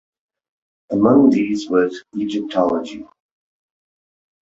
Among these was Egyptology.